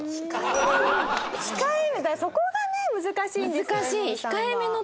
だからそこがね難しいんですよ